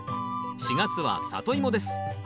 ４月は「サトイモ」です。